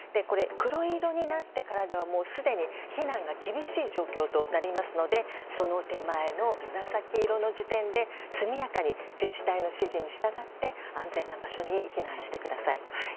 黒色になってからではもうすでに避難が厳しい状況となりますのでその手前の紫色の時点で速やかに自治体の指示に従って安全な場所に避難してください。